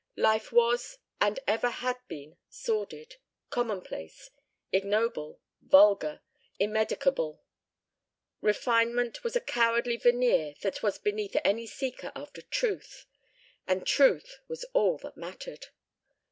Life was and ever had been sordid, commonplace, ignoble, vulgar, immedicable; refinement was a cowardly veneer that was beneath any seeker after Truth, and Truth was all that mattered.